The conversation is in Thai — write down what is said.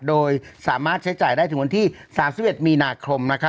โดยสามารถใช้จ่ายได้ถึงวันที่๓๑มีนาคม